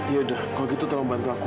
yaudah kalau gitu tolong bantu aku